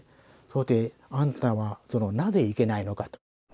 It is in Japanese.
そして「あんたはなぜ行けないのかと」